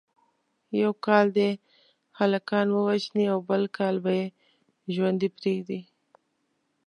یو کال دې هلکان ووژني او بل کال به یې ژوندي پریږدي.